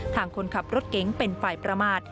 ทางคนขับรถเก๋งเป็นฝ่ายประมาท